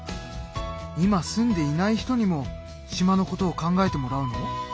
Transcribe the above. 今住んでいない人にも島のことを考えてもらうの？